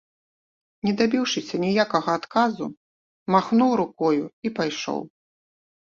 Не дабіўшыся ніякага адказу, махнуў рукою і пайшоў.